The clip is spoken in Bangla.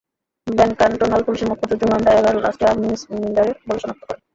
বার্ন ক্যানটোনাল পুলিশের মুখপাত্র জোলান্ডা এগার লাশটি আরমিন স্মিডারের বলে শনাক্ত করেন।